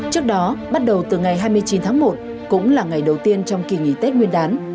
trước đó bắt đầu từ ngày hai mươi chín tháng một cũng là ngày đầu tiên trong kỳ nghỉ tết nguyên đán